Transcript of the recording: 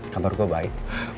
kabar gue baik